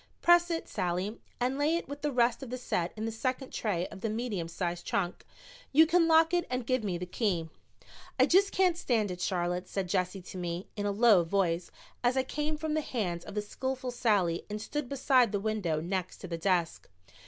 "Press it, Sallie, and lay it with the rest of the set in the second tray of the medium sized trunk. You can lock it and give me the key." "I just can't stand it, Charlotte," said Jessie to me in a low voice, as I came from the hands of the skillful Sallie and stood beside the window next to the desk.